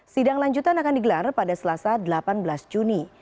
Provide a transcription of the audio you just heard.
sidang lanjutan akan digelar pada selasa delapan belas juni